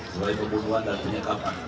sebagai pembunuhan dan penyekapan